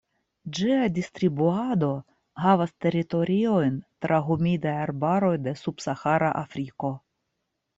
Ĝia distribuado havas teritoriojn tra humidaj arbaroj de subsahara Afriko.